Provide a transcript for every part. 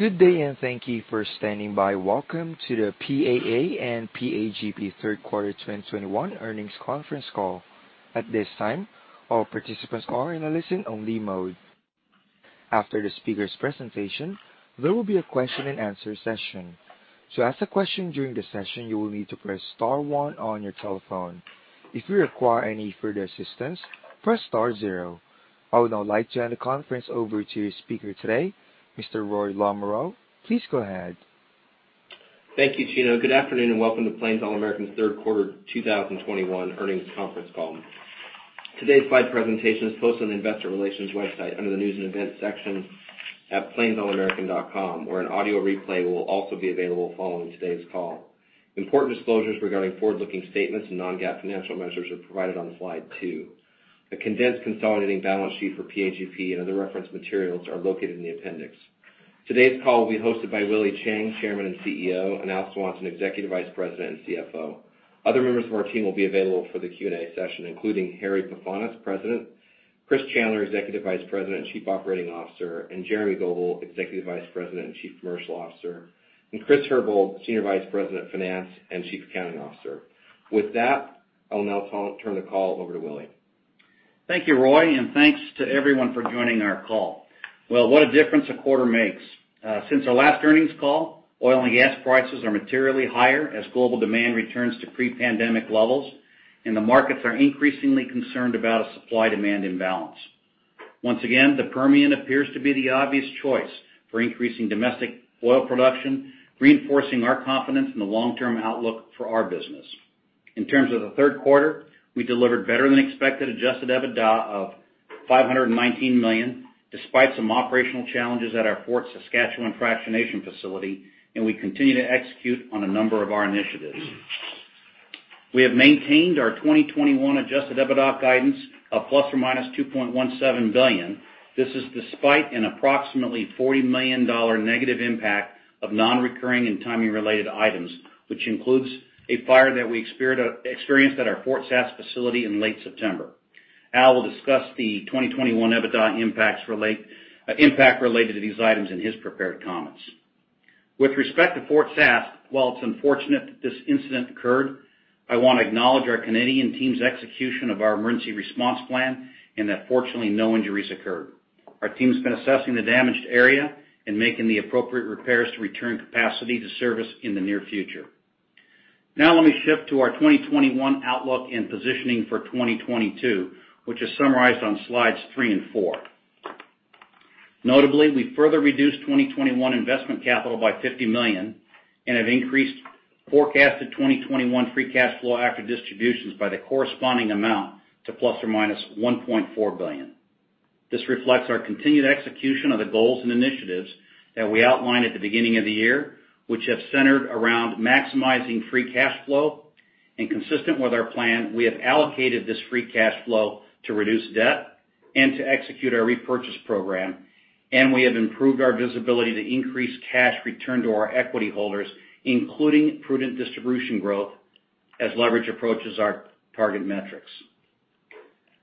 Good day, and thank you for standing by. Welcome to the PAA and PAGP Third Quarter 2021 Earnings Conference Call. At this time, all participants are in a listen-only mode. After the speaker's presentation, there will be a question-and-answer session. To ask a question during the session, you will need to press star one on your telephone. If you require any further assistance, press star zero. I would now like to hand the conference over to your speaker today, Mr. Roy Lamoreaux. Please go ahead. Thank you, Gino. Good afternoon, and welcome to Plains All American Third Quarter 2021 Earnings Conference Call. Today's slide presentation is posted on the Investor Relations website under the News and Events section at plainsallamerican.com, where an audio replay will also be available following today's call. Important disclosures regarding forward-looking statements and non-GAAP financial measures are provided on slide two. A condensed consolidating balance sheet for PAGP and other reference materials are located in the appendix. Today's call will be hosted by Willie Chiang, Chairman and CEO, and Al Swanson, Executive Vice President and CFO. Other members of our team will be available for the Q&A session, including Harry Pefanis, President, Chris Chandler, Executive Vice President and Chief Operating Officer, and Jeremy Goebel, Executive Vice President and Chief Commercial Officer, and Chris Herbold, Senior Vice President of Finance and Chief Accounting Officer. With that, I'll now turn the call over to Willie. Thank you, Roy, and thanks to everyone for joining our call. Well, what a difference a quarter makes. Since our last earnings call, oil and gas prices are materially higher as global demand returns to pre-pandemic levels, and the markets are increasingly concerned about a supply-demand imbalance. Once again, the Permian appears to be the obvious choice for increasing domestic oil production, reinforcing our confidence in the long-term outlook for our business. In terms of the third quarter, we delivered better than expected Adjusted EBITDA of $519 million, despite some operational challenges at our Fort Saskatchewan fractionation facility, and we continue to execute on a number of our initiatives. We have maintained our 2021 Adjusted EBITDA guidance of ±$2.17 billion. This is despite an approximately $40 million negative impact of non-recurring and timing-related items, which includes a fire that we experienced at our Fort Saskatchewan facility in late September. Al will discuss the 2021 EBITDA impact related to these items in his prepared comments. With respect to Fort Saskatchewan, while it's unfortunate that this incident occurred, I wanna acknowledge our Canadian team's execution of our emergency response plan and that fortunately no injuries occurred. Our team's been assessing the damaged area and making the appropriate repairs to return capacity to service in the near future. Now let me shift to our 2021 outlook and positioning for 2022, which is summarized on slides three and four. Notably, we further reduced 2021 investment capital by $50 million and have increased forecasted 2021 free cash flow after distributions by the corresponding amount to ±$1.4 billion. This reflects our continued execution of the goals and initiatives that we outlined at the beginning of the year, which have centered around maximizing free cash flow. Consistent with our plan, we have allocated this free cash flow to reduce debt and to execute our repurchase program, and we have improved our visibility to increase cash return to our equity holders, including prudent distribution growth as leverage approaches our target metrics.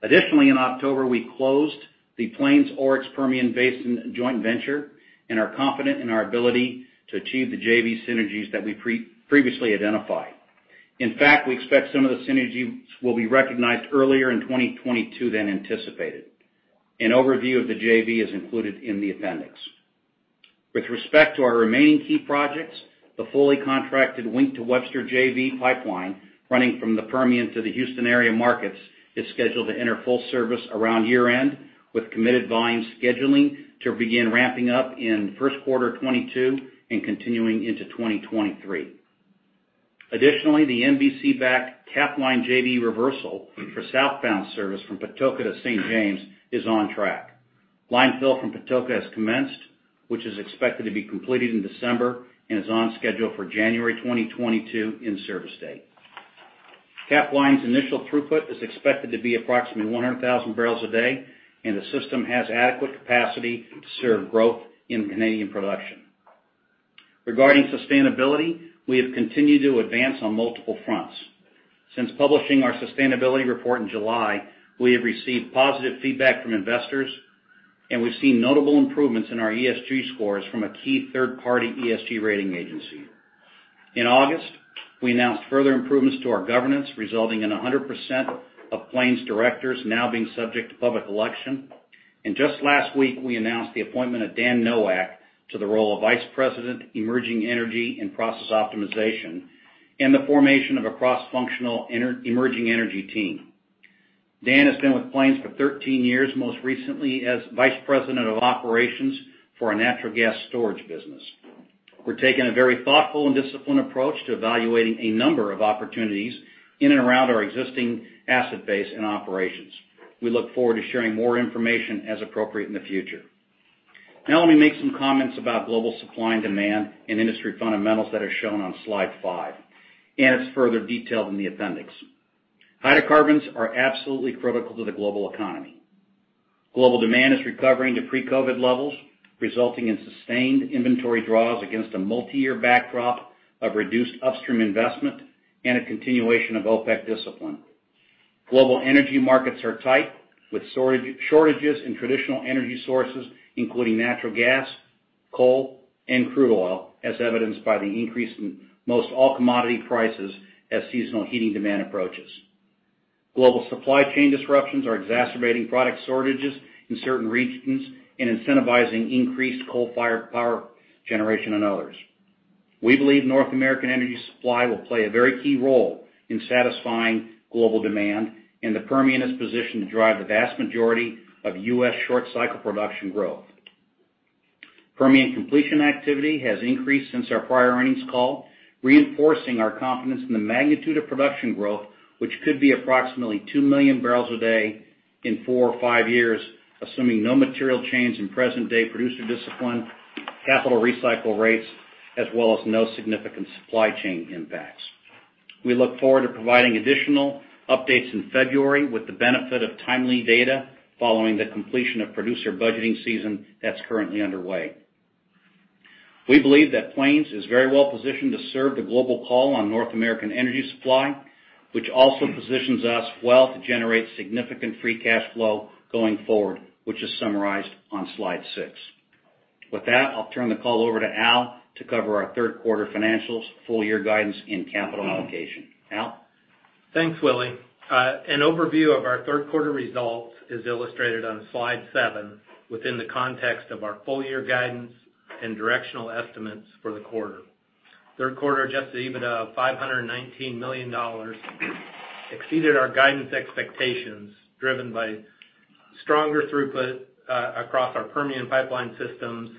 Additionally, in October, we closed the Plains Oryx Permian Basin joint venture and are confident in our ability to achieve the JV synergies that we previously identified. In fact, we expect some of the synergies will be recognized earlier in 2022 than anticipated. An overview of the JV is included in the appendix. With respect to our remaining key projects, the fully contracted Wink to Webster JV pipeline, running from the Permian to the Houston area markets, is scheduled to enter full service around year-end, with committed volume scheduling to begin ramping up in first quarter 2022 and continuing into 2023. Additionally, the NBC-backed Capline JV reversal for southbound service from Patoka to St. James is on track. Line fill from Patoka has commenced, which is expected to be completed in December and is on schedule for January 2022 in service date. Capline's initial throughput is expected to be approximately 100,000 bpd, and the system has adequate capacity to serve growth in Canadian production. Regarding sustainability, we have continued to advance on multiple fronts. Since publishing our sustainability report in July, we have received positive feedback from investors, and we've seen notable improvements in our ESG scores from a key third-party ESG rating agency. In August, we announced further improvements to our governance, resulting in 100% of Plains directors now being subject to public election. Just last week, we announced the appointment of Dan Nowak to the role of Vice President, Emerging Energy and Process Optimization, and the formation of a cross-functional emerging energy team. Dan has been with Plains for 13 years, most recently as Vice President of Operations for a natural gas storage business. We're taking a very thoughtful and disciplined approach to evaluating a number of opportunities in and around our existing asset base and operations. We look forward to sharing more information as appropriate in the future. Now let me make some comments about global supply and demand and industry fundamentals that are shown on slide five, and it's further detailed in the appendix. Hydrocarbons are absolutely critical to the global economy. Global demand is recovering to pre-COVID levels, resulting in sustained inventory draws against a multi-year backdrop of reduced upstream investment and a continuation of OPEC discipline. Global energy markets are tight, with storage shortages in traditional energy sources, including natural gas, coal, and crude oil, as evidenced by the increase in most all commodity prices as seasonal heating demand approaches. Global supply chain disruptions are exacerbating product shortages in certain regions and incentivizing increased coal-fired power generation and others. We believe North American energy supply will play a very key role in satisfying global demand, and the Permian is positioned to drive the vast majority of U.S. short cycle production growth. Permian completion activity has increased since our prior earnings call, reinforcing our confidence in the magnitude of production growth, which could be approximately 2 million bpd in four or five years, assuming no material change in present day producer discipline, capital recycle rates, as well as no significant supply chain impacts. We look forward to providing additional updates in February with the benefit of timely data following the completion of producer budgeting season that's currently underway. We believe that Plains is very well positioned to serve the global call on North American energy supply, which also positions us well to generate significant free cash flow going forward, which is summarized on slide six. With that, I'll turn the call over to Al to cover our third quarter financials, full year guidance, and capital allocation. Al? Thanks, Willie. An overview of our third quarter results is illustrated on slide seven within the context of our full year guidance and directional estimates for the quarter. Third quarter Adjusted EBITDA of $519 million exceeded our guidance expectations, driven by stronger throughput across our Permian pipeline systems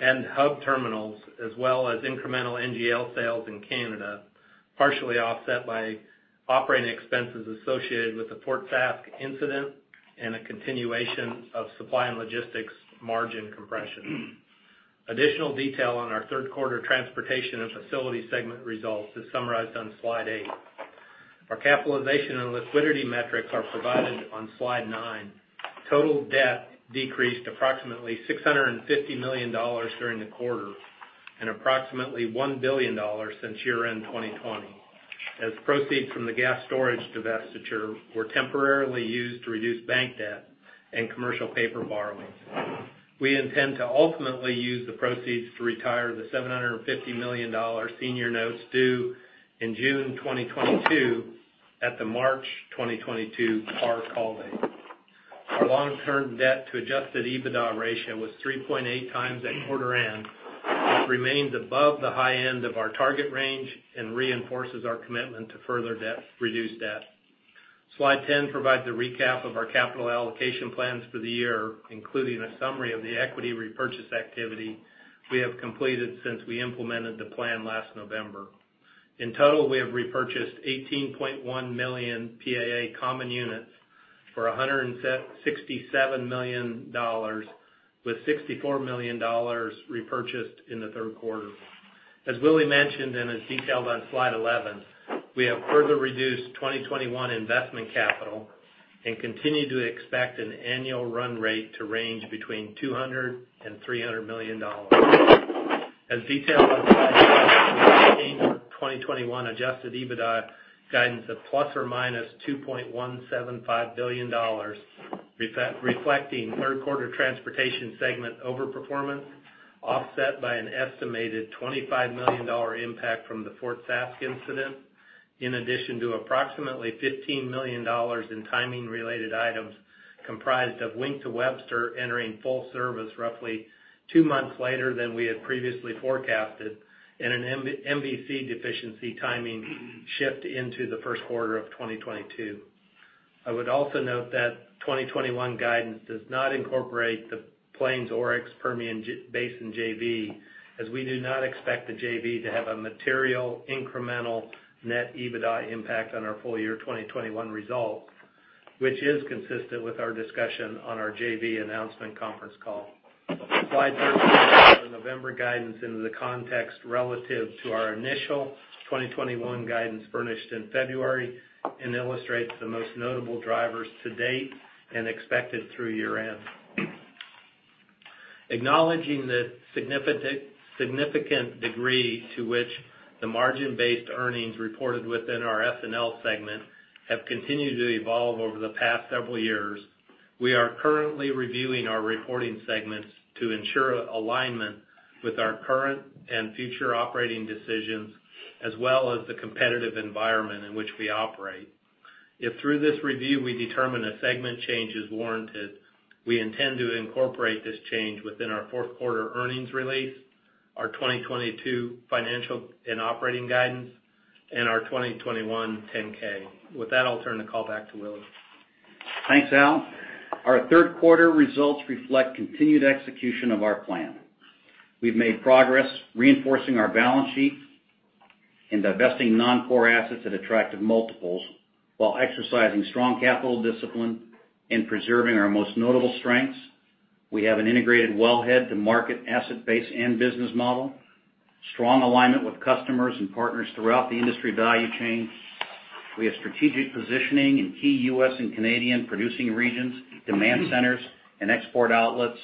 and hub terminals, as well as incremental NGL sales in Canada, partially offset by operating expenses associated with the Fort Saskatchewan incident and a continuation of Supply and Logistics margin compression. Additional detail on our third quarter transportation and facility segment results is summarized on slide eight. Our capitalization and liquidity metrics are provided on slide nine. Total debt decreased approximately $650 million during the quarter and approximately $1 billion since year-end 2020. As proceeds from the gas storage divestiture were temporarily used to reduce bank debt and commercial paper borrowings. We intend to ultimately use the proceeds to retire the $750 million senior notes due in June 2022 at the March 2022 par call date. Our long-term debt to Adjusted EBITDA ratio was 3.8x at quarter end. It remains above the high end of our target range and reinforces our commitment to further reduce debt. Slide 10 provides a recap of our capital allocation plans for the year, including a summary of the equity repurchase activity we have completed since we implemented the plan last November. In total, we have repurchased 18.1 million PAA common units for $167 million with $64 million repurchased in the third quarter. As Willie mentioned and is detailed on slide 11, we have further reduced 2021 investment capital and continue to expect an annual run rate to range between $200 million and $300 million. As detailed on slide 12, we maintain our 2021 Adjusted EBITDA guidance of ±$2.175 billion, reflecting third quarter transportation segment overperformance, offset by an estimated $25 million impact from the Fort Saskatchewan incident, in addition to approximately $15 million in timing-related items comprised of Wink to Webster entering full service roughly two months later than we had previously forecasted, and an MVC deficiency timing shift into the first quarter of 2022. I would also note that 2021 guidance does not incorporate the Plains Oryx Permian Basin JV, as we do not expect the JV to have a material incremental net EBITDA impact on our full year 2021 result, which is consistent with our discussion on our JV announcement conference call. Slide 13 sets our November guidance into the context relative to our initial 2021 guidance furnished in February and illustrates the most notable drivers to date and expected through year-end. Acknowledging the significant degree to which the margin-based earnings reported within our F&L segment have continued to evolve over the past several years, we are currently reviewing our reporting segments to ensure alignment with our current and future operating decisions as well as the competitive environment in which we operate. If through this review we determine a segment change is warranted, we intend to incorporate this change within our fourth quarter earnings release, our 2022 financial and operating guidance, and our 2021 10-K. With that, I'll turn the call back to Willie. Thanks, Al. Our third quarter results reflect continued execution of our plan. We've made progress reinforcing our balance sheet and divesting non-core assets at attractive multiples while exercising strong capital discipline and preserving our most notable strengths. We have an integrated wellhead to market asset base and business model, strong alignment with customers and partners throughout the industry value chain. We have strategic positioning in key U.S. and Canadian producing regions, demand centers, and export outlets.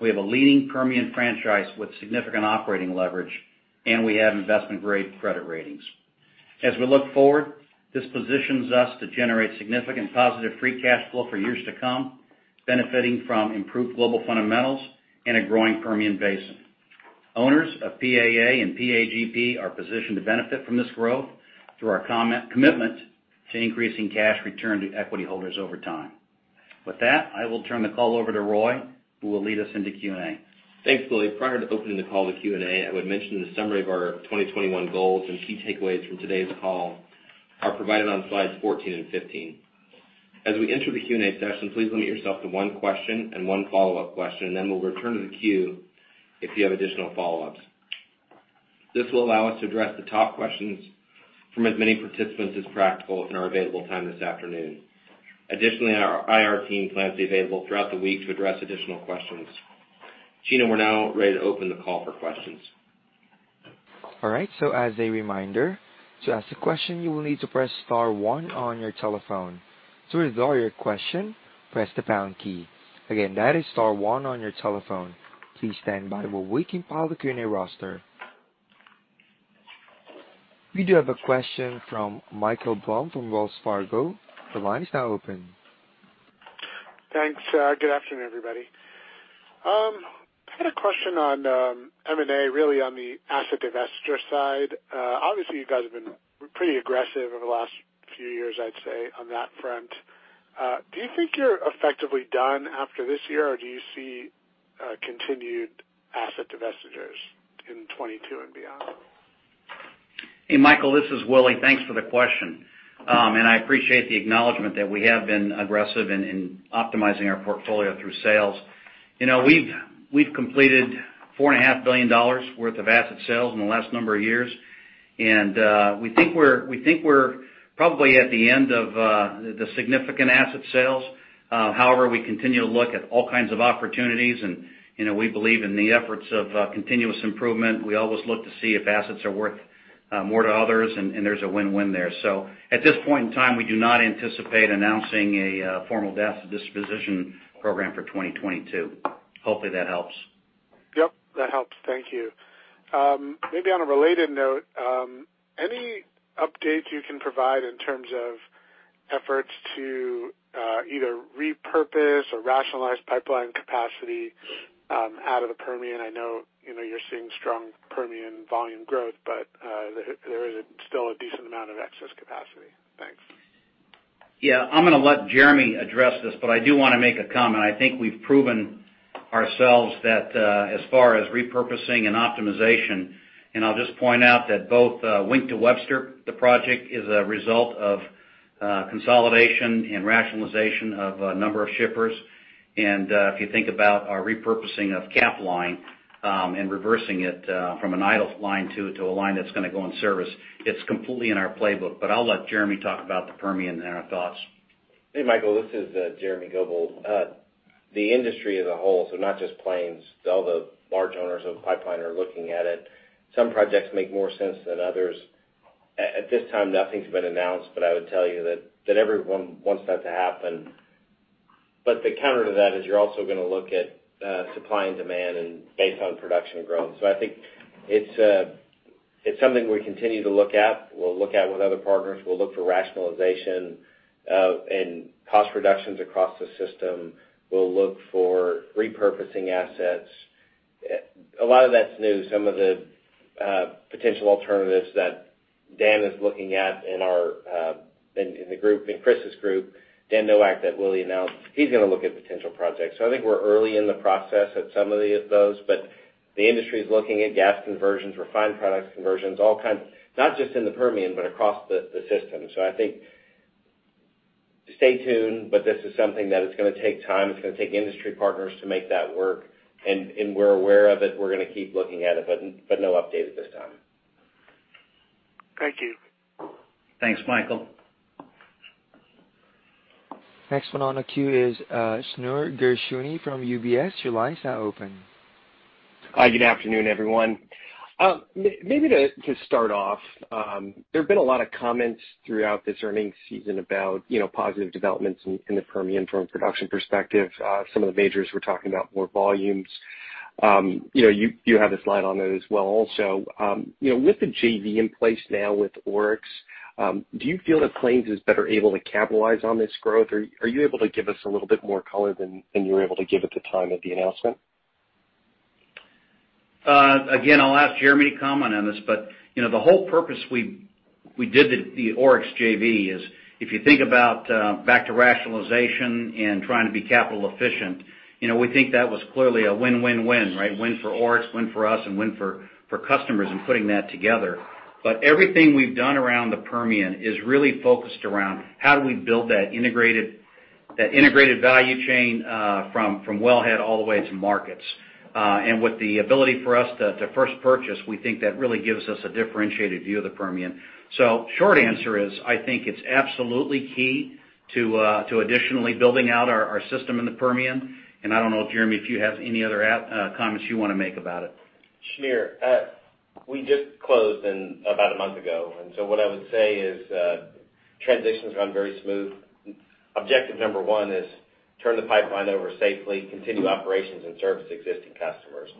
We have a leading Permian franchise with significant operating leverage, and we have investment-grade credit ratings. As we look forward, this positions us to generate significant positive free cash flow for years to come, benefiting from improved global fundamentals and a growing Permian Basin. Owners of PAA and PAGP are positioned to benefit from this growth through our commitment to increasing cash return to equity holders over time. With that, I will turn the call over to Roy, who will lead us into Q&A. Thanks, Willie. Prior to opening the call to Q&A, I would mention the summary of our 2021 goals and key takeaways from today's call are provided on slides 14 and 15. As we enter the Q&A session, please limit yourself to one question and one follow-up question, and then we'll return to the queue if you have additional follow-ups. This will allow us to address the top questions from as many participants as practical in our available time this afternoon. Additionally, our IR team plans to be available throughout the week to address additional questions. Sheena, we're now ready to open the call for questions. All right. As a reminder, to ask a question, you will need to press star one on your telephone. To withdraw your question, press the pound key. Again, that is star one on your telephone. Please stand by while we compile the Q&A roster. We do have a question from Michael Blum from Wells Fargo. The line is now open. Thanks. Good afternoon, everybody. I had a question on M&A, really on the asset divestiture side. Obviously, you guys have been pretty aggressive over the last few years, I'd say, on that front. Do you think you're effectively done after this year, or do you see continued asset divestitures in 2022 and beyond? Hey, Michael, this is Willie. Thanks for the question. I appreciate the acknowledgment that we have been aggressive in optimizing our portfolio through sales. You know, we've completed $4.5 billion worth of asset sales in the last number of years. We think we're probably at the end of the significant asset sales. However, we continue to look at all kinds of opportunities. You know, we believe in the efforts of continuous improvement. We always look to see if assets are worth more to others, and there's a win-win there. At this point in time, we do not anticipate announcing a formal asset disposition program for 2022. Hopefully, that helps. Yep, that helps. Thank you. Maybe on a related note, any updates you can provide in terms of efforts to either repurpose or rationalize pipeline capacity out of the Permian? I know, you know, you're seeing strong Permian volume growth, but there is still a decent amount of excess capacity. Thanks. Yeah. I'm gonna let Jeremy address this, but I do wanna make a comment. I think we've proven ourselves that, as far as repurposing and optimization, and I'll just point out that both, Wink to Webster, the project is a result of, consolidation and rationalization of a number of shippers. If you think about our repurposing of Capline, and reversing it, from an idle line to a line that's gonna go in service, it's completely in our playbook. But I'll let Jeremy talk about the Permian and our thoughts. Hey, Michael, this is Jeremy Goebel. The industry as a whole, so not just Plains, all the large owners of pipeline are looking at it. Some projects make more sense than others. At this time, nothing's been announced, but I would tell you that everyone wants that to happen. The counter to that is you're also gonna look at supply and demand and based on production growth. I think it's something we continue to look at. We'll look at with other partners. We'll look for rationalization and cost reductions across the system. We'll look for repurposing assets. A lot of that's new. Some of the potential alternatives that Dan is looking at in our in the group, in Chris's group, Dan Nowak that Willie announced, he's gonna look at potential projects. I think we're early in the process at some of the, those. The industry is looking at gas conversions, refined products conversions, all kinds, not just in the Permian, but across the system. I think stay tuned, but this is something that it's gonna take time. It's gonna take industry partners to make that work, and we're aware of it. We're gonna keep looking at it, but no update at this time. Thank you. Thanks, Michael. Next one on the queue is Shneur Gershuni from UBS Investment Bank. Your line is now open. Hi. Good afternoon, everyone. Maybe to start off, there have been a lot of comments throughout this earnings season about, you know, positive developments in the Permian from a production perspective. Some of the majors were talking about more volumes. You know, you have a slide on that as well also. You know, with the JV in place now with Oryx, do you feel that Plains is better able to capitalize on this growth? Are you able to give us a little bit more color than you were able to give at the time of the announcement? Again, I'll ask Jeremy to comment on this. You know, the whole purpose we did the Oryx JV is if you think about back to rationalization and trying to be capital efficient. You know, we think that was clearly a win-win-win, right? Win for Oryx, win for us, and win for customers in putting that together. Everything we've done around the Permian is really focused around how do we build that integrated value chain from wellhead all the way to markets. With the ability for us to first purchase, we think that really gives us a differentiated view of the Permian. Short answer is, I think it's absolutely key to additionally building out our system in the Permian. I don't know if Jeremy, you have any other comments you wanna make about it? Shneur, we just closed about a month ago. What I would say is, transitions gone very smooth. Objective number one is turn the pipeline over safely, continue operations and service existing customers.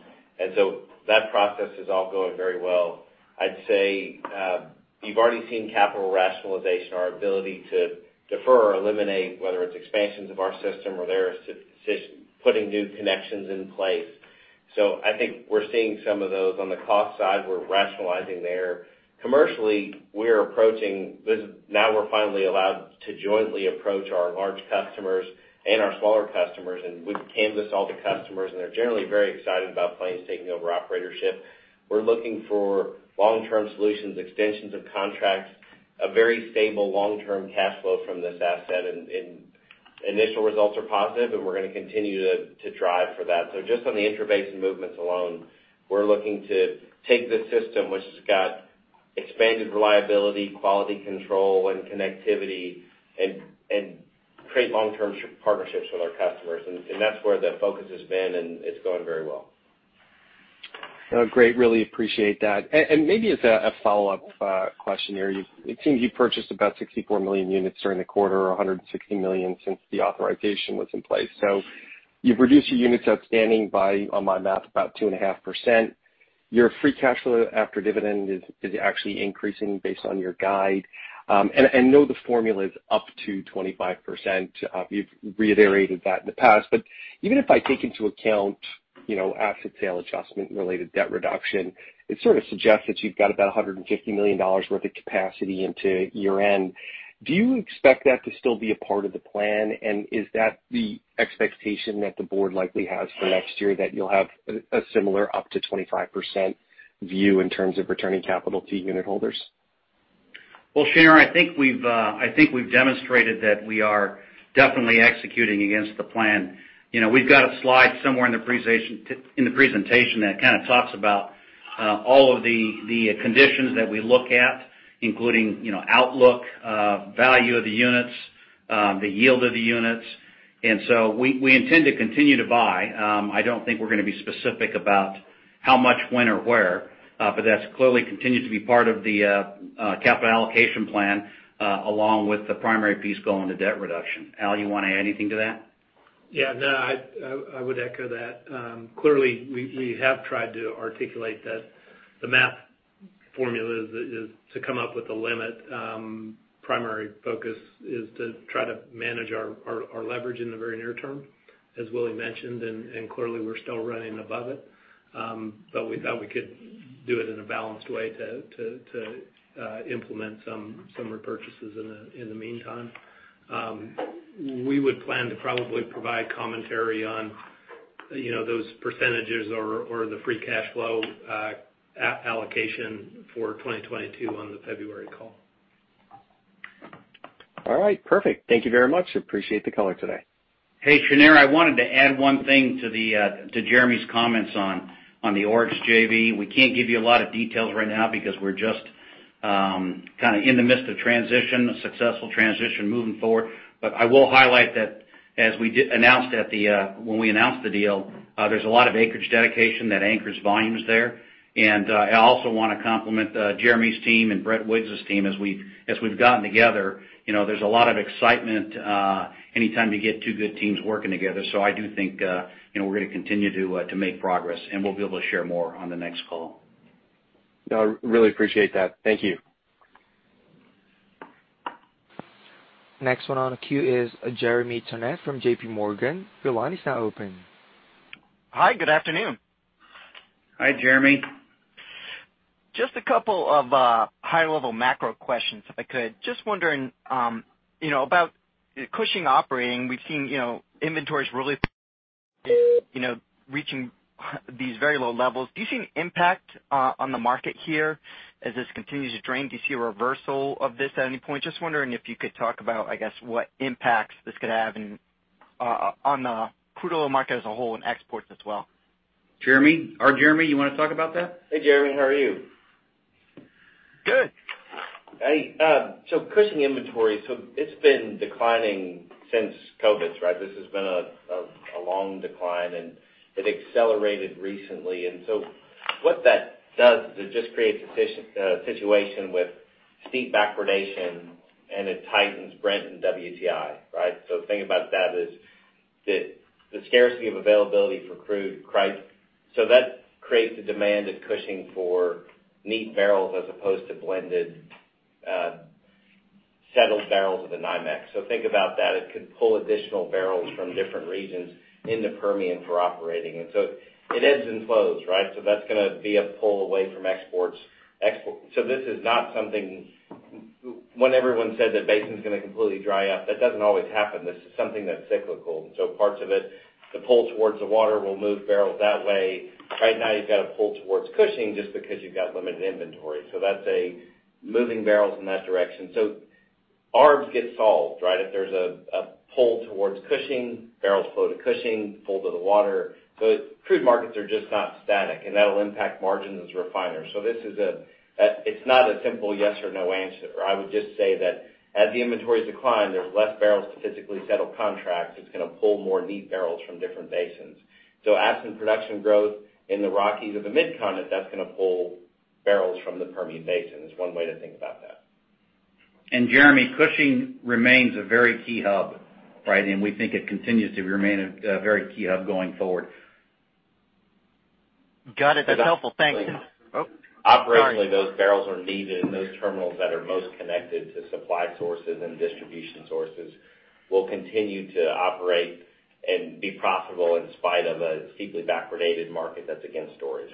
That process is all going very well. I'd say, you've already seen capital rationalization, our ability to defer or eliminate, whether it's expansions of our system or putting new connections in place. I think we're seeing some of those. On the cost side, we're rationalizing there. Commercially, we're approaching this now we're finally allowed to jointly approach our large customers and our smaller customers. We've canvassed all the customers, and they're generally very excited about Plains taking over operatorship. We're looking for long-term solutions, extensions of contracts, a very stable long-term cash flow from this asset. Initial results are positive, and we're gonna continue to drive for that. Just on the intrabasin movements alone, we're looking to take this system, which has got expanded reliability, quality control, and connectivity, and create long-term partnerships with our customers. That's where the focus has been, and it's going very well. Oh, great. Really appreciate that. Maybe as a follow-up question here. It seems you purchased about 64 million units during the quarter or 160 million since the authorization was in place. You've reduced your units outstanding by, on my math, about 2.5%. Your free cash flow after dividend is actually increasing based on your guide. I know the formula is up to 25%. You've reiterated that in the past. Even if I take into account, you know, asset sale adjustment and related debt reduction, it sort of suggests that you've got about $150 million worth of capacity into year-end. Do you expect that to still be a part of the plan? Is that the expectation that the board likely has for next year, that you'll have a similar up to 25% view in terms of returning capital to unit holders? Well, Shneur, I think we've demonstrated that we are definitely executing against the plan. You know, we've got a slide somewhere in the presentation that kind of talks about all of the conditions that we look at, including, you know, outlook, value of the units, the yield of the units. We intend to continue to buy. I don't think we're gonna be specific about how much, when, or where. But that's clearly continues to be part of the capital allocation plan, along with the primary piece going to debt reduction. Al, you wanna add anything to that? Yeah. No, I would echo that. Clearly, we have tried to articulate that the math formula is to come up with a limit. Primary focus is to try to manage our leverage in the very near term, as Willie mentioned. Clearly, we're still running above it. But we thought we could do it in a balanced way to implement some repurchases in the meantime. We would plan to probably provide commentary on, you know, those percentages or the free cash flow allocation for 2022 on the February call. All right. Perfect. Thank you very much. Appreciate the color today. Hey, Shneur, I wanted to add one thing to Jeremy's comments on the Oryx JV. We can't give you a lot of details right now because we're just kind of in the midst of transition, a successful transition moving forward. I will highlight that as we announced when we announced the deal, there's a lot of acreage dedication that anchors volumes there. I also wanna compliment Jeremy's team and Brett Wiggs' team as we've gotten together. You know, there's a lot of excitement anytime you get two good teams working together. I do think you know, we're gonna continue to make progress, and we'll be able to share more on the next call. No, I really appreciate that. Thank you. Next one on the queue is Jeremy Tonet from J.P. Morgan. Your line is now open. Hi, good afternoon. Hi, Jeremy. Just a couple of high-level macro questions, if I could. Just wondering, you know, about Cushing operations. We've seen, you know, inventories really, you know, reaching these very low levels. Do you see an impact on the market here as this continues to drain? Do you see a reversal of this at any point? Just wondering if you could talk about, I guess, what impacts this could have on the crude oil market as a whole and exports as well. Jeremy? Our Jeremy, you wanna talk about that? Hey, Jeremy. How are you? Good. Hey, so Cushing inventory. It's been declining since COVID, right? This has been a long decline, and it accelerated recently. What that does is it just creates a situation with steep backwardation, and it tightens Brent and WTI, right? The thing about that is that the scarcity of availability for crude price. That creates a demand at Cushing for net barrels as opposed to blended, settled barrels of the NYMEX. Think about that. It could pull additional barrels from different regions in the Permian for operating. It ebbs and flows, right? That's gonna be a pull away from exports. This is not something. When everyone said that basin's gonna completely dry up, that doesn't always happen. This is something that's cyclical. Parts of it, the pull towards the water will move barrels that way. Right now you've got a pull towards Cushing just because you've got limited inventory, so that's moving barrels in that direction. ARBS get solved, right? If there's a pull towards Cushing, barrels flow to Cushing, pull to the water. Crude markets are just not static, and that'll impact refiners' margins. This is. It's not a simple yes or no answer. I would just say that as the inventories decline, there's less barrels to physically settle contracts. It's gonna pull more net barrels from different basins. As in production growth in the Rockies or the Mid-Continent, that's gonna pull barrels from the Permian Basin. It's one way to think about that. Jeremy, Cushing remains a very key hub, right? We think it continues to remain a very key hub going forward. Got it. That's helpful. Thanks. Oh, sorry. Operationally, those barrels are needed, and those terminals that are most connected to supply sources and distribution sources will continue to operate and be profitable in spite of a steeply backwardated market that's against storage.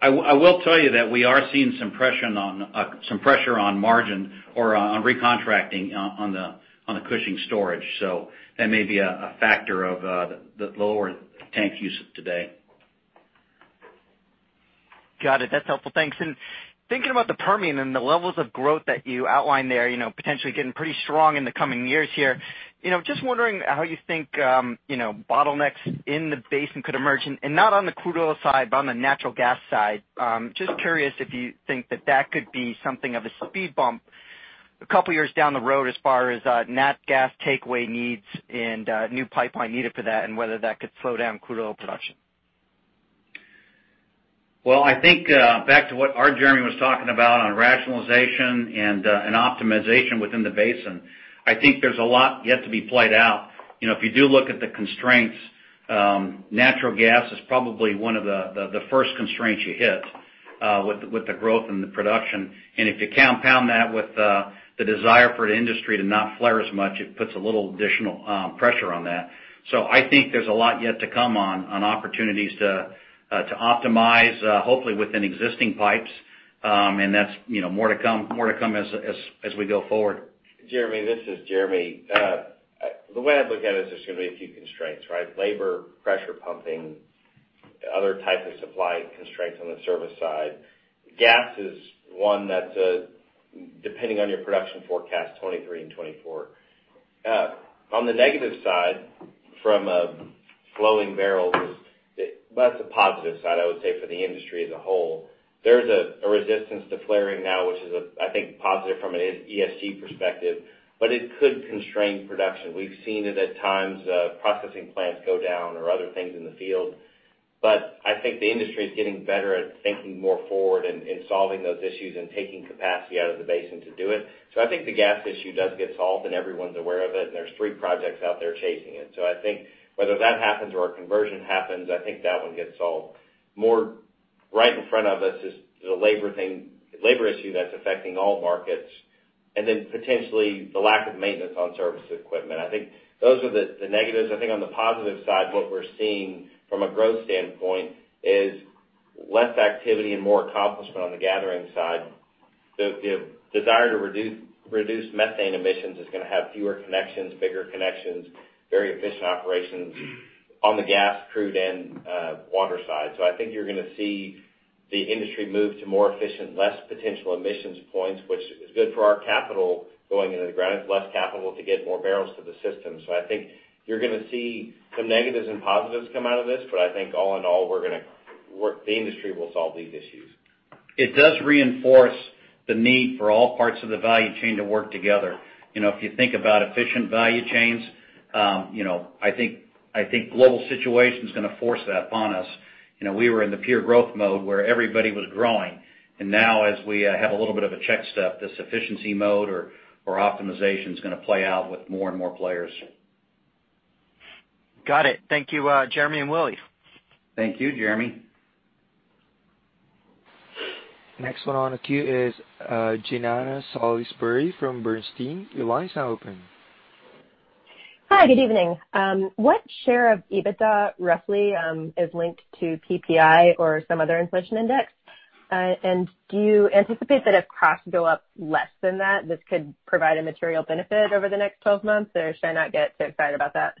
I will tell you that we are seeing some pressure on margin or on recontracting on the Cushing storage. That may be a factor of the lower tank usage today. Got it. That's helpful. Thanks. Thinking about the Permian and the levels of growth that you outlined there, you know, potentially getting pretty strong in the coming years here, you know, just wondering how you think bottlenecks in the basin could emerge and not on the crude oil side, but on the natural gas side. Just curious if you think that could be something of a speed bump a couple year down the road as far as natural gas takeaway needs and new pipeline needed for that and whether that could slow down crude oil production. Well, I think back to what our Jeremy was talking about on rationalization and optimization within the basin, I think there's a lot yet to be played out. You know, if you do look at the constraints, natural gas is probably one of the first constraints you hit with the growth in the production. If you compound that with the desire for an industry to not flare as much, it puts a little additional pressure on that. I think there's a lot yet to come on opportunities to optimize hopefully within existing pipes, and that's you know more to come as we go forward. Jeremy, this is Jeremy. The way I look at it is there's gonna be a few constraints, right? Labor, pressure pumping, other type of supply constraints on the service side. Gas is one that, depending on your production forecast, 2023 and 2024. On the negative side, from a flowing barrels, well, that's a positive side I would say for the industry as a whole. There's a resistance to flaring now, which is, I think, positive from an ESG perspective, but it could constrain production. We've seen it at times, processing plants go down or other things in the field. I think the industry is getting better at thinking more forward and solving those issues and taking capacity out of the basin to do it. I think the gas issue does get solved and everyone's aware of it, and there's three projects out there chasing it. I think whether that happens or a conversion happens, I think that one gets solved. More right in front of us is the labor thing, labor issue that's affecting all markets, and then potentially the lack of maintenance on service equipment. I think those are the negatives. I think on the positive side, what we're seeing from a growth standpoint is less activity and more accomplishment on the gathering side. The desire to reduce methane emissions is gonna have fewer connections, bigger connections, very efficient operations on the gas, crude, and water side. I think you're gonna see the industry move to more efficient, less potential emissions points, which is good for our capital going into the ground. It's less capital to get more barrels to the system. I think you're gonna see some negatives and positives come out of this, but I think all in all, we're gonna work. The industry will solve these issues. It does reinforce the need for all parts of the value chain to work together. You know, if you think about efficient value chains, you know, I think global situation's gonna force that upon us. You know, we were in the pure growth mode where everybody was growing. Now as we have a little bit of a check step, this efficiency mode or optimization is gonna play out with more and more players. Got it. Thank you, Jeremy and Willie. Thank you, Jeremy. Next one on the queue is, Jean Ann Salisbury from Bernstein Research. Your line is now open. Hi, good evening. What share of EBITDA roughly is linked to PPI or some other inflation index? Do you anticipate that if costs go up less than that, this could provide a material benefit over the next 12 months, or should I not get too excited about that?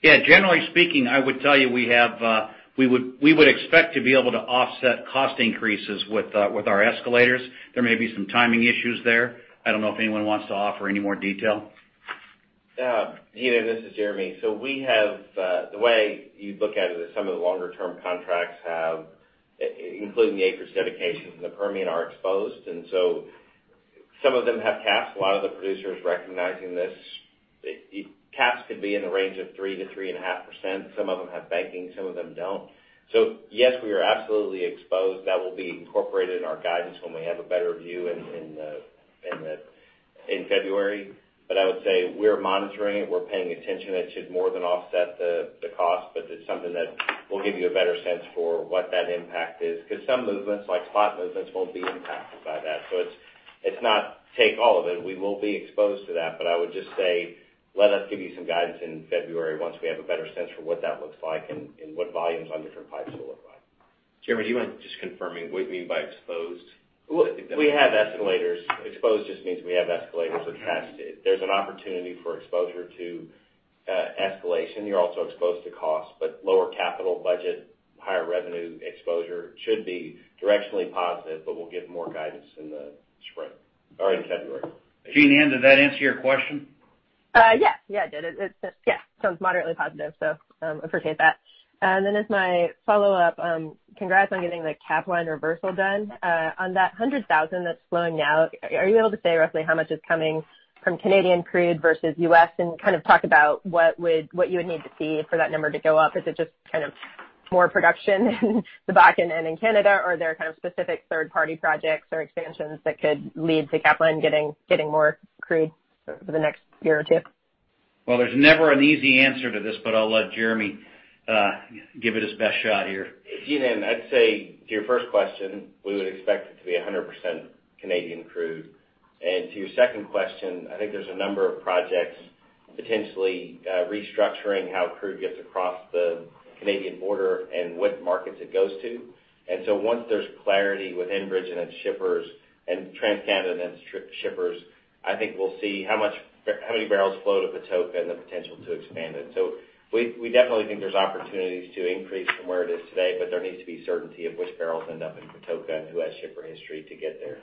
Yeah, generally speaking, I would tell you we have, we would expect to be able to offset cost increases with with our escalators. There may be some timing issues there. I don't know if anyone wants to offer any more detail. Yeah. Jean Ann, this is Jeremy. The way you look at it is some of the longer-term contracts have, including the acreage dedications in the Permian are exposed. Some of them have caps. A lot of the producers recognizing this. Caps could be in the range of 3%-3.5%. Some of them have banking, some of them don't. Yes, we are absolutely exposed. That will be incorporated in our guidance when we have a better view in February. But I would say we're monitoring it, we're paying attention. It should more than offset the cost, but it's something that we'll give you a better sense for what that impact is. 'Cause some movements, like spot movements, won't be impacted by that. It's not take all of it. We will be exposed to that. I would just say, let us give you some guidance in February once we have a better sense for what that looks like and what volumes on different pipes will look like. Jeremy, do you mind just confirming what you mean by exposed? We have escalators. Exposed just means we have escalators attached to it. There's an opportunity for exposure to escalation. You're also exposed to cost, but lower capital budget, higher revenue exposure should be directionally positive, but we'll give more guidance in the spring or in February. Jean Ann, did that answer your question? Yes. It did. It sounds moderately positive, so appreciate that. As my follow-up, congrats on getting the Capline reversal done. On that 100,000 that's flowing now, are you able to say roughly how much is coming from Canadian crude versus U.S.? And kind of talk about what you would need to see for that number to go up. Is it just kind of more production in the Bakken and in Canada? Or are there kind of specific third-party projects or expansions that could lead to Capline getting more crude for the next year or two? Well, there's never an easy answer to this, but I'll let Jeremy give it his best shot here. Jean Ann, I'd say to your first question, we would expect it to be 100% Canadian crude. To your second question, I think there's a number of projects potentially restructuring how crude gets across the Canadian border and what markets it goes to. Once there's clarity with Enbridge and its shippers and TransCanada and its shippers, I think we'll see how many barrels flow to Patoka and the potential to expand it. We definitely think there's opportunities to increase from where it is today, but there needs to be certainty of which barrels end up in Patoka and who has shipper history to get there.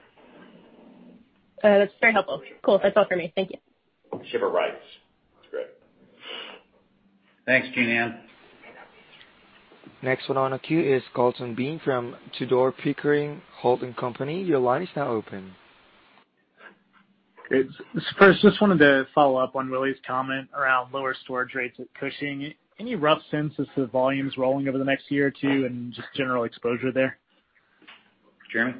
That's very helpful. Cool. That's all for me. Thank you. Shipper rights. That's great. Thanks, Jean Ann. Next one on the queue is Colton Bean from Tudor, Pickering, Holt & Co. Your line is now open. Great. First, just wanted to follow up on Willie's comment around lower storage rates at Cushing. Any rough sense as to volumes rolling over the next year or two and just general exposure there? Jeremy?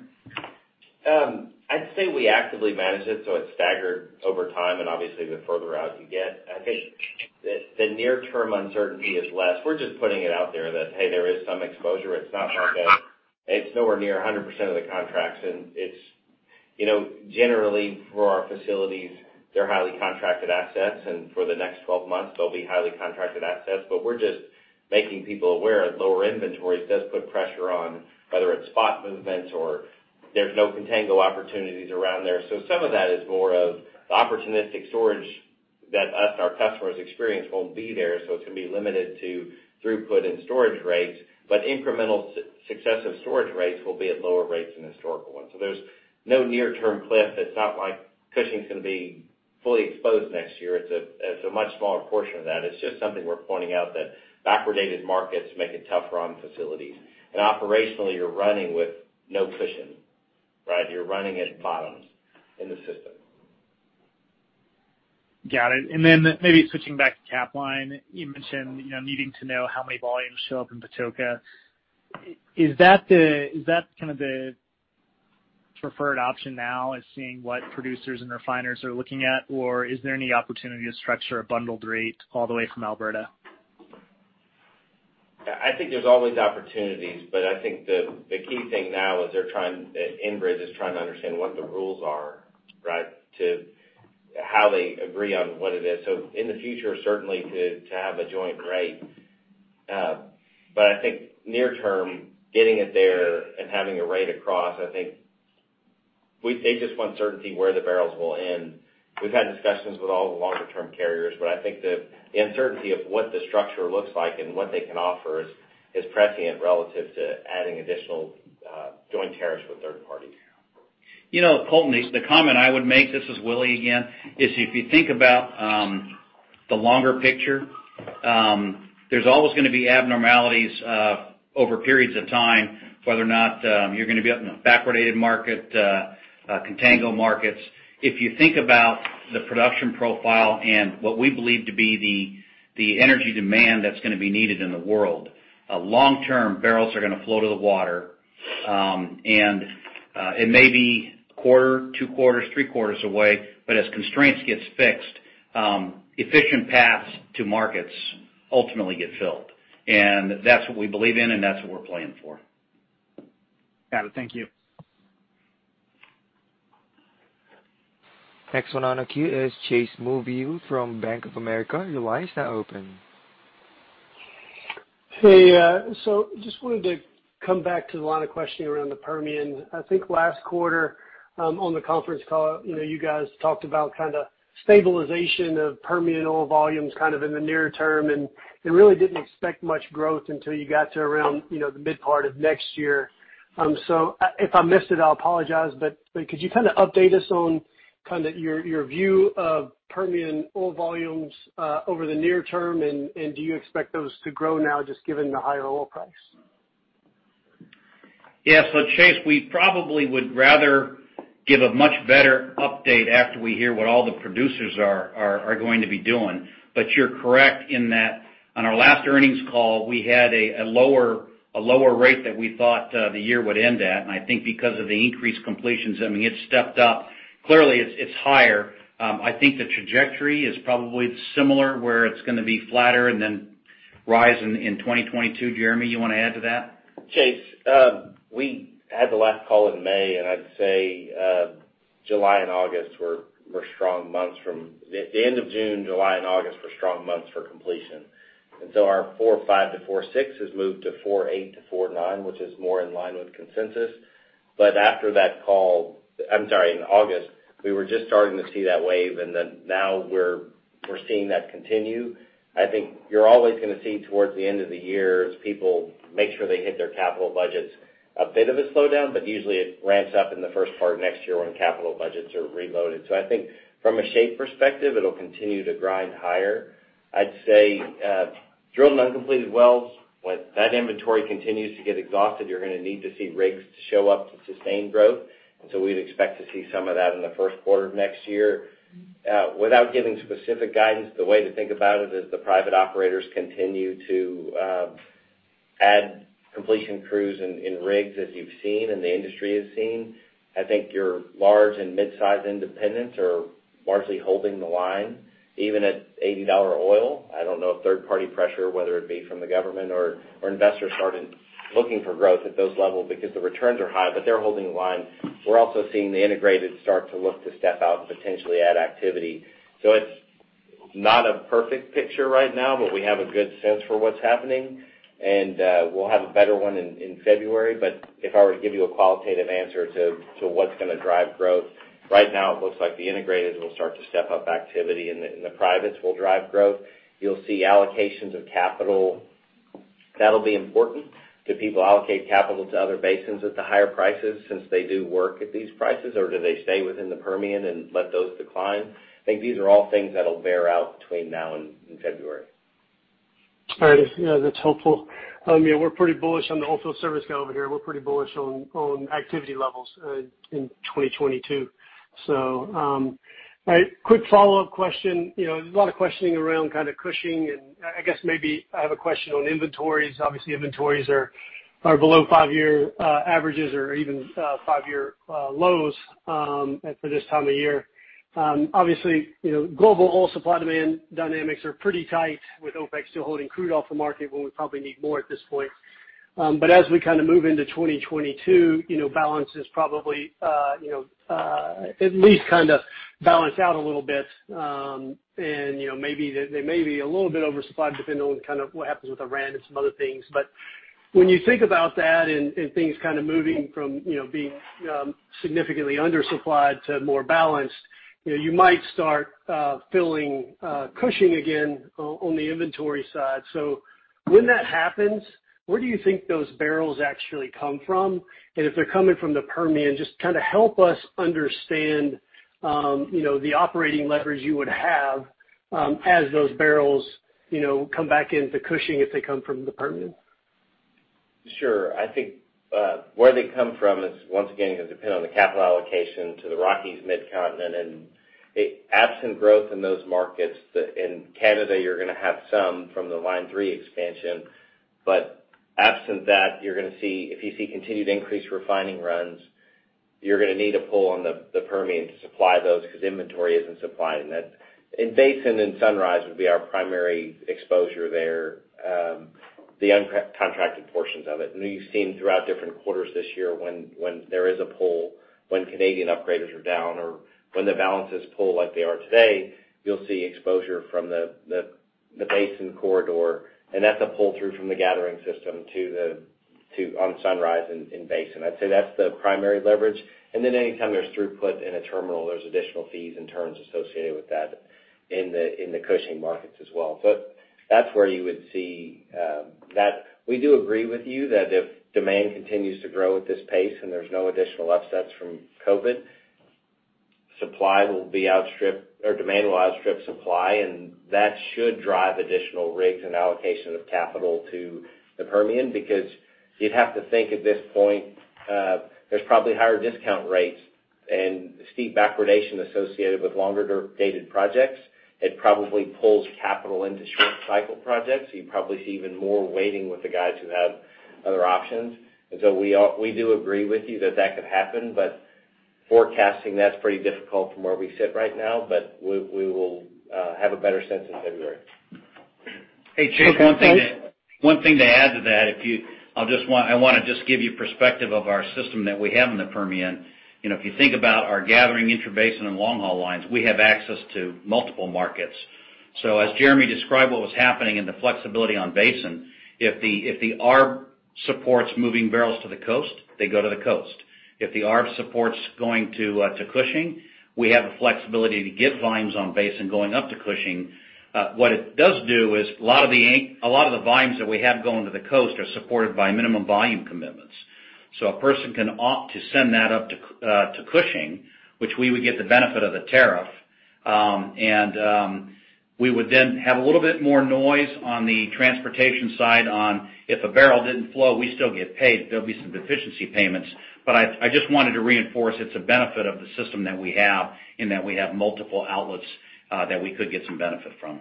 I'd say we actively manage it, so it's staggered over time and obviously the further out you get. I think the near-term uncertainty is less. We're just putting it out there that, hey, there is some exposure. It's not like—It's nowhere near 100% of the contracts. It's, you know, generally, for our facilities, they're highly contracted assets, and for the next twelve months, they'll be highly contracted assets. We're just making people aware that lower inventories does put pressure on whether it's spot movements or there's no contango opportunities around there. Some of that is more of the opportunistic storage that us and our customers experience won't be there, so it's gonna be limited to throughput and storage rates. Incremental successive storage rates will be at lower rates than historical ones. There's no near-term cliff. It's not like Cushing's gonna be fully exposed next year. It's a much smaller portion of that. It's just something we're pointing out that backwardated markets make it tougher on facilities. Operationally, you're running with no cushion, right? You're running at bottoms in the system. Got it. Maybe switching back to Capline. You mentioned, you know, needing to know how many volumes show up in Patoka. Is that kind of the preferred option now is seeing what producers and refiners are looking at, or is there any opportunity to structure a bundled rate all the way from Alberta? I think there's always opportunities, but I think the key thing now is Enbridge is trying to understand what the rules are, right? To how they agree on what it is. In the future, certainly to have a joint rate. I think near term, getting it there and having a rate across, I think they just want certainty where the barrels will end. We've had discussions with all the longer term carriers, but I think the uncertainty of what the structure looks like and what they can offer is prescient relative to adding additional joint tariffs with third parties. You know, Colton, the comment I would make, this is Willie again, is if you think about the longer picture, there's always gonna be abnormalities over periods of time, whether or not you're gonna be up in a backwardated market, contango markets. If you think about the production profile and what we believe to be the energy demand that's gonna be needed in the world, long term, barrels are gonna flow to the water. It may be a quarter, two quarters, three quarters away, but as constraints gets fixed, efficient paths to markets ultimately get filled. That's what we believe in, and that's what we're planning for. Got it. Thank you. Next one on the queue is Chase Mulvehill from Bank of America. Your line is now open. Hey. So just wanted to come back to a lot of questioning around the Permian. I think last quarter, on the conference call, you know, you guys talked about kind of stabilization of Permian oil volumes kind of in the near term, and really didn't expect much growth until you got to around, you know, the mid part of next year. So if I missed it, I'll apologize, but could you kind of update us on kind of your view of Permian oil volumes over the near term and do you expect those to grow now just given the higher oil price? Yeah. Chase, we probably would rather give a much better update after we hear what all the producers are going to be doing. You're correct in that on our last earnings call, we had a lower rate that we thought the year would end at. I think because of the increased completions, I mean, it's stepped up. Clearly it's higher. I think the trajectory is probably similar, where it's gonna be flatter and then rise in 2022. Jeremy, you wanna add to that? Chase, we had the last call in May, and I'd say July and August were strong months for completion. Our 45-46 has moved to 48-49, which is more in line with consensus. In August, we were just starting to see that wave, and then now we're seeing that continue. I think you're always gonna see towards the end of the year, as people make sure they hit their capital budgets, a bit of a slowdown, but usually it ramps up in the first part of next year when capital budgets are reloaded. I think from a shape perspective, it'll continue to grind higher. I'd say, Drilled and Uncompleted wells, when that inventory continues to get exhausted, you're gonna need to see rigs show up to sustain growth. We'd expect to see some of that in the first quarter of next year. Without giving specific guidance, the way to think about it is the private operators continue to add completion crews and rigs, as you've seen and the industry has seen. I think your large and mid-size independents are largely holding the line, even at $80 oil. I don't know if third-party pressure, whether it be from the government or investors started looking for growth at those levels because the returns are high, but they're holding the line. We're also seeing the integrated start to look to step out to potentially add activity. It's not a perfect picture right now, but we have a good sense for what's happening. We'll have a better one in February. If I were to give you a qualitative answer to what's gonna drive growth, right now it looks like the integrated will start to step up activity and the privates will drive growth. You'll see allocations of capital. That'll be important. Do people allocate capital to other basins at the higher prices since they do work at these prices, or do they stay within the Permian and let those decline? I think these are all things that'll bear out between now and February. All right. Yeah, that's helpful. I mean, we're pretty bullish on the oilfield service over here. We're pretty bullish on activity levels in 2022. All right. Quick follow-up question. You know, there's a lot of questioning around kind of Cushing, and I guess maybe I have a question on inventories. Obviously, inventories are below five-year averages or even five-year lows for this time of year. Obviously, you know, global oil supply-demand dynamics are pretty tight with OPEC still holding crude off the market when we probably need more at this point. As we kind of move into 2022, you know, balance is probably at least kind of balance out a little bit. You know, maybe they may be a little bit oversupplied depending on kind of what happens with Iran and some other things. When you think about that and things kind of moving from, you know, being significantly undersupplied to more balanced, you know, you might start filling Cushing again on the inventory side. When that happens, where do you think those barrels actually come from? If they're coming from the Permian, just kind of help us understand, you know, the operating leverage you would have as those barrels, you know, come back into Cushing if they come from the Permian. Sure. I think where they come from is, once again, gonna depend on the capital allocation to the Rockies Mid-Continent. Absent growth in those markets, in Canada you're gonna have some from the Line 3 expansion. Absent that, you're gonna see, if you see continued increased refining runs, you're gonna need to pull on the Permian to supply those 'cause inventory isn't supplied. Basin and Sunrise would be our primary exposure there, the uncontracted portions of it. You've seen throughout different quarters this year when there is a pull, when Canadian upgraders are down or when the balances pull like they are today, you'll see exposure from the Basin corridor, and that's a pull-through from the gathering system to on Sunrise and Basin. I'd say that's the primary leverage. Then anytime there's throughput in a terminal, there's additional fees and terms associated with that in the Cushing markets as well. That's where you would see that. We do agree with you that if demand continues to grow at this pace and there's no additional offsets from COVID, demand will outstrip supply, and that should drive additional rigs and allocation of capital to the Permian because you'd have to think at this point, there's probably higher discount rates and steep backwardation associated with longer dated projects. It probably pulls capital into short cycle projects. You probably see even more waiting with the guys who have other options. We do agree with you that that could happen, but forecasting, that's pretty difficult from where we sit right now. We will have a better sense in February. Okay, thanks. Hey, Chase, one thing to add to that. I'll just wanna give you perspective of our system that we have in the Permian. You know, if you think about our gathering intrabasin and long-haul lines, we have access to multiple markets. As Jeremy described what was happening in the flexibility in basin, if the arb supports moving barrels to the coast, they go to the coast. If the arb supports going to Cushing, we have the flexibility to get volumes in basin going up to Cushing. What it does do is a lot of the volumes that we have going to the coast are supported by minimum volume commitments. A person can opt to send that up to Cushing, which we would get the benefit of the tariff, and we would then have a little bit more noise on the transportation side on if a barrel didn't flow, we still get paid. There'll be some deficiency payments. I just wanted to reinforce it's a benefit of the system that we have in that we have multiple outlets that we could get some benefit from.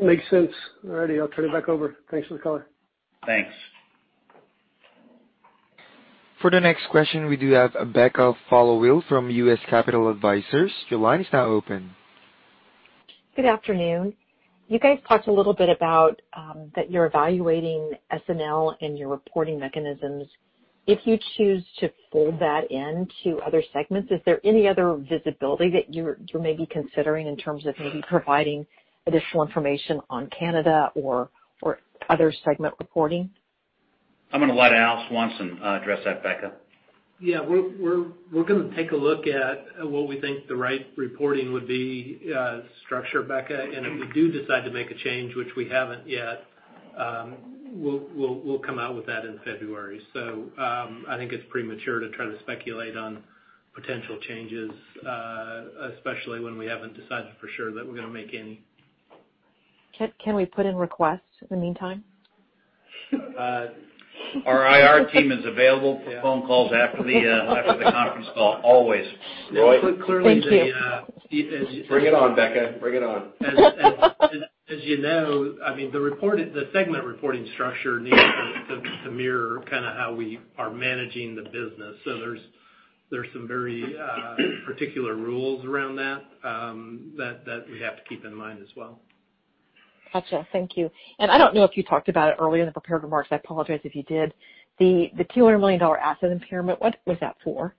Makes sense. All righty. I'll turn it back over. Thanks for the color. Thanks. For the next question, we do have Becca Followill from U.S. Capital Advisors. Your line is now open. Good afternoon. You guys talked a little bit about that you're evaluating SNL and your reporting mechanisms. If you choose to fold that into other segments, is there any other visibility that you're maybe considering in terms of maybe providing additional information on Canada or other segment reporting? I'm gonna let Al Swanson address that, Becca. Yeah. We're gonna take a look at what we think the right reporting would be, structure, Becca. If we do decide to make a change, which we haven't yet, we'll come out with that in February. I think it's premature to try to speculate on potential changes, especially when we haven't decided for sure that we're gonna make any. Can we put in requests in the meantime? Our IR team is available. Yeah. for phone calls after the conference call always. Roy? Thank you. Clearly, as you Bring it on, Becca. Bring it on. As you know, I mean, the report, the segment reporting structure needs to mirror kind of how we are managing the business. There's some very particular rules around that we have to keep in mind as well. Gotcha. Thank you. I don't know if you talked about it earlier in the prepared remarks. I apologize if you did. The $200 million asset impairment, what was that for?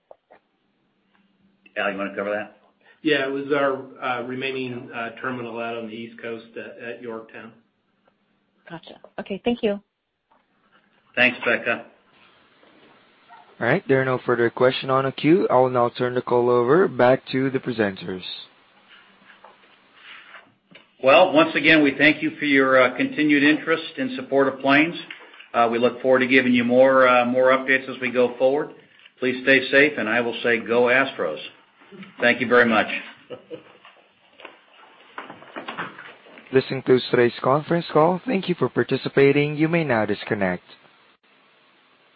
Al, you wanna cover that? Yeah. It was our remaining terminal out on the East Coast at Yorktown. Gotcha. Okay. Thank you. Thanks, Becca. All right. There are no further question on the queue. I will now turn the call over back to the presenters. Well, once again, we thank you for your continued interest in support of Plains. We look forward to giving you more updates as we go forward. Please stay safe, and I will say, go Astros. Thank you very much. This concludes today's conference call. Thank you for participating. You may now disconnect.